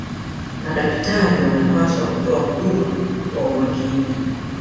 madakitari wanapaswa kutoa huduma kwa umakini